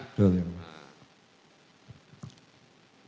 betul ya irfan